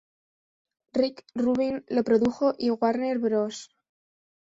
Rick Rubin lo produjo y Warner Bros.